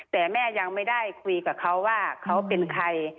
แต่แม่ยังไม่ได้คุยกับเขาว่าเขาเป็นใคร